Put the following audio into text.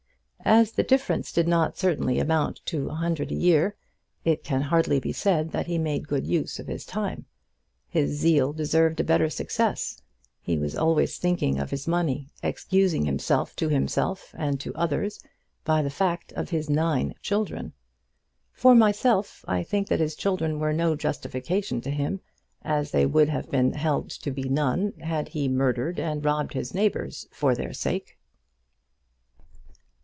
As the difference did not certainly amount to a hundred a year, it can hardly be said that he made good use of his time. His zeal deserved a better success. He was always thinking of his money, excusing himself to himself and to others by the fact of his nine children. For myself I think that his children were no justification to him; as they would have been held to be none, had he murdered and robbed his neighbours for their sake.